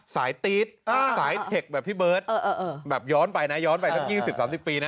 ตี๊ดสายเทคแบบพี่เบิร์ตแบบย้อนไปนะย้อนไปสัก๒๐๓๐ปีนะ